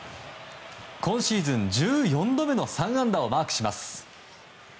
今シーズン１４度目の３安打をマークします。